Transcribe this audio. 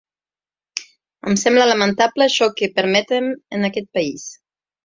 Em sembla lamentable això que permetem en aquest país.